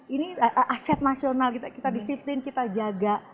ini aset nasional kita disiplin kita jaga